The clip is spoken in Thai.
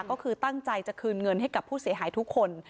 ก็คือตั้งใจจะคืนเงินให้กับผู้เสียหายทุกคน